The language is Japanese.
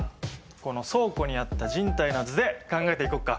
この倉庫にあった人体の図で考えていこうか。